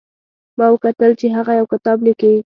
ما وکتل چې هغه یو کتاب لیکي